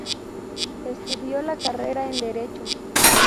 Estudio la carrera en Derecho.